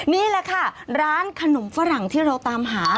นี่แหละค่ะร้านขนมฝรั่งที่เราตามหา